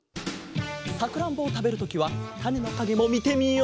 さくらんぼをたべるときはたねのかげもみてみよう！